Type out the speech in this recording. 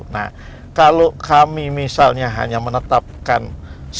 nah kalau kami misalnya hanya menetapkan satu